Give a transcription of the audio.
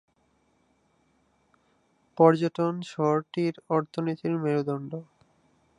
পর্যটন শহরটির অর্থনীতির মেরুদণ্ড।